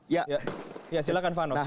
ya silahkan vano silahkan